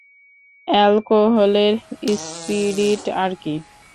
অ্যালকোহলের spirit আরকি।